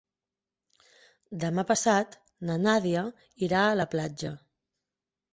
Demà passat na Nàdia irà a la platja.